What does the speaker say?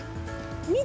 見て。